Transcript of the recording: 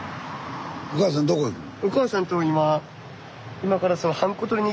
お母さんどこ行くの？